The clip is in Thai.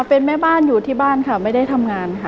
เป็นแม่บ้านอยู่ที่บ้านค่ะไม่ได้ทำงานค่ะ